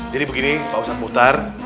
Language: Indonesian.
jadi begini pak ustadz bukhtar